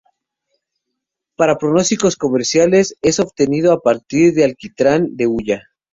Para propósitos comerciales es obtenido a partir del alquitrán de hulla.